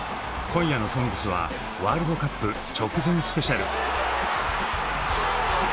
今夜の「ＳＯＮＧＳ」はワールドカップ直前スペシャル！